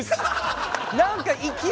何か勢い。